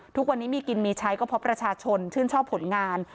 ทุกวันนี้มีกินมีใช้ก็เพราะประชาชนชื่นชอบผลงาน